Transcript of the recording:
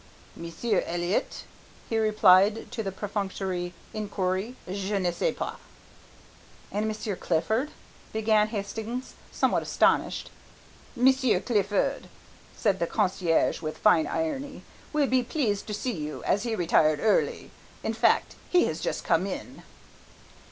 "Monsieur Elliott?" he replied to the perfunctory inquiry, "je ne sais pas." "And Monsieur Clifford," began Hastings, somewhat astonished. "Monsieur Clifford," said the concierge with fine irony, "will be pleased to see you, as he retired early; in fact he has just come in."